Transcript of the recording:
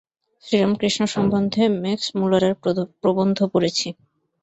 শ্রীরামকৃষ্ণ সম্বন্ধে ম্যাক্সমূলারের প্রবন্ধ পড়েছি।